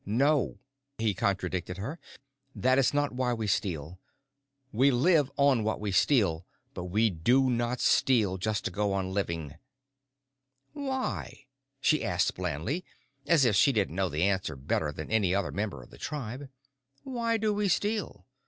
"No," he contradicted her. "That's not why we steal. We live on what we steal, but we do not steal just to go on living." "Why?" she asked blandly, as if she didn't know the answer better than any other member of the tribe. "Why do we steal?